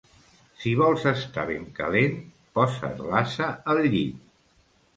Si vols estar ben calent, posa't l'ase al llit.